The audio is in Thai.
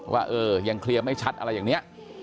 ว่าเออยังเคลียร์ไม่ชัดอะไรอย่างนี้